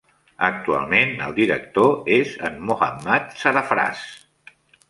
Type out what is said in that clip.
Actualment, el director és en Mohammad Sarafraz.